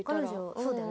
そうだよね。